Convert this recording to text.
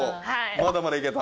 まだまだ行けた？